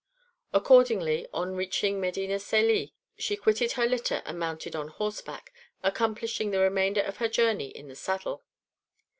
Accordingly, on reaching Medina Celi she quitted her litter and mounted on horseback, accomplishing the remainder of her journey in the saddle.